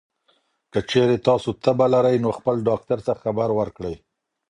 که چېرې تاسو تبه لرئ، نو خپل ډاکټر ته خبر ورکړئ.